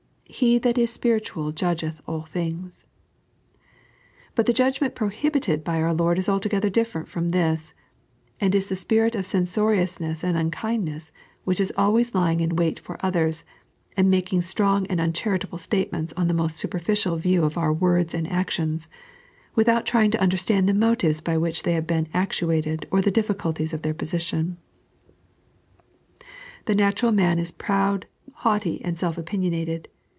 " He that is spiritual judgeth all things." But the judgment prohibited by our Lord is altogether different from this, and is that spirit of cenaoriousness and unkiudness which is always lying in wait for others, and making strong and uncharitable statements on the moat superficial view of their words and actions, without trying to understand the motives by which they have been actuated or the difficulties of their position. The natural man is proud, haughty, and self opinionated.